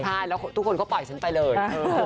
ใช่แล้วทุกคนก็ปล่อยฉันไปเลย